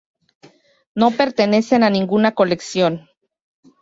No pertenecen a ninguna colección.